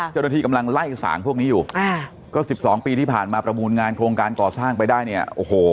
เจ้าหน้าที่กำลังไล่สางพวกนี้อยู่ก็๑๒ปีที่ผ่านมาประมูลงานโครงการก่อสร้างไปได้เนี่ยโอ้โห